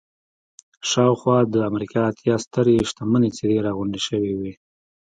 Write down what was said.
شاوخوا د امريکا اتيا سترې شتمنې څېرې را غونډې شوې وې.